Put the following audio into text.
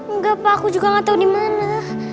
enggak aku juga nggak tahu dimana